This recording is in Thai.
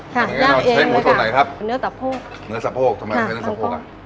ค่ะย่างเองใช้หมูทอดไหนครับเนื้อสะโพกเนื้อสะโพกทำไมไม่ใช้เนื้อสะโพกอ่ะค่ะมันก็